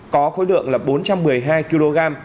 có khối lượng là bốn trăm một mươi hai kg